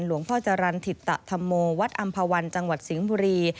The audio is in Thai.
หลวงพ่อจรรย์ถิตธรรมโมวัดอำภาวันจังหวัดสิงห์บุรี